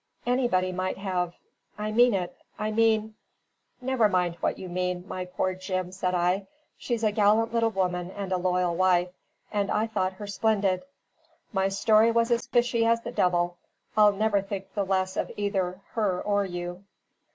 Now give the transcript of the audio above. Anybody might have I mean it I mean " "Never mind what you mean, my poor Jim," said I. "She's a gallant little woman and a loyal wife: and I thought her splendid. My story was as fishy as the devil. I'll never think the less of either her or you."